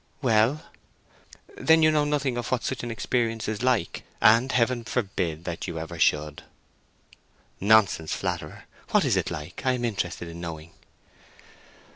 "Well." "Then you know nothing of what such an experience is like—and Heaven forbid that you ever should!" "Nonsense, flatterer! What is it like? I am interested in knowing."